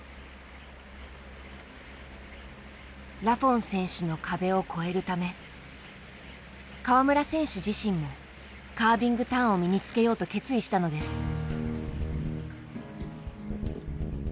ラフォン選手の壁を越えるため川村選手自身もカービングターンを身につけようと決意したのです。